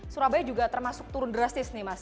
surabaya juga termasuk turun drastis nih mas